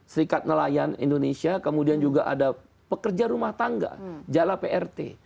serikat nelayan indonesia kemudian juga ada pekerja rumah tangga jala prt